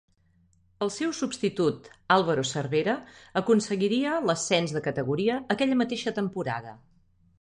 El seu substitut, Álvaro Cervera, aconseguiria l'ascens de categoria aquella mateixa temporada.